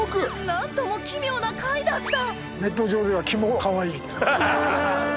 何とも奇妙な貝だった！